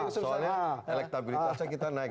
soalnya elektabilitasnya kita naik